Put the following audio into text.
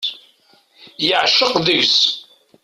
Yeεceq deg-s.